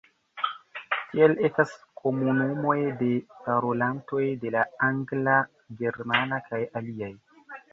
Tial estas komunumoj de parolantoj de la angla, germana kaj aliaj.